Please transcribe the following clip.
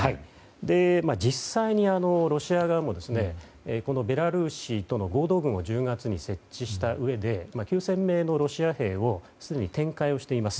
実際にロシア側もベラルーシとの合同軍を１０月に設置したうえで９０００名のロシア兵をすでに展開しています。